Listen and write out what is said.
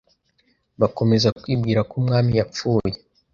Bakomeza kwibwira ko umwami yapfuye.